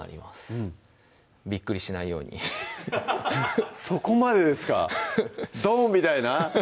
うんビックリしないようにそこまでですか「ドン！」みたいな？